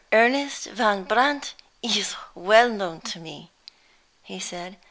Ernest Van Brandt is well known to me," he said.